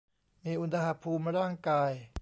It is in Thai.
มีอุณหภูมิร่างกาย